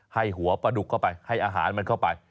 ให้หัวปลาดุกเข้าไปให้อาหารมันเข้าไป